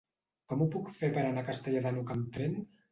Com ho puc fer per anar a Castellar de n'Hug amb tren?